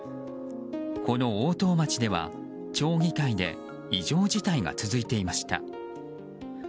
この大任町では、町議会で異常事態が続いていました。